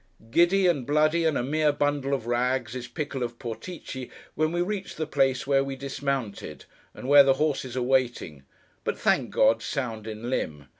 Giddy, and bloody, and a mere bundle of rags, is Pickle of Portici when we reach the place where we dismounted, and where the horses are waiting; but, thank God, sound in limb!